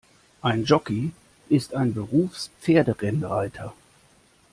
Ein Jockey ist ein Berufs-Pferderennreiter.